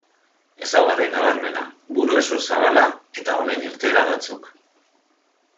Ezaugarri nabarmena: burezur zabala eta honen irteera batzuk.